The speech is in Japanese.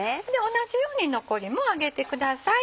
同じように残りも揚げてください。